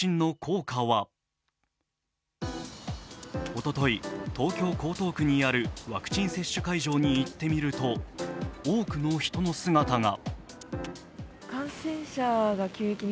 おととい、東京・江東区にあるワクチン接種会場に行ってみると多くの人の姿が。